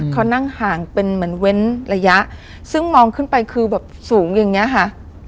เขานั่งห่างเป็นเหมือนเว้นระยะซึ่งมองขึ้นไปคือแบบสูงอย่างเงี้ยค่ะ